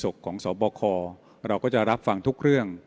ฐานะของทางการเป็นโคสกของสบคเราก็จะรับฟังทุกเรื่อง